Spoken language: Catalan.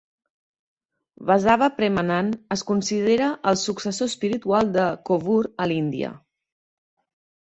Basava Premanand es considera el successor espiritual de Kovoor a l'Índia.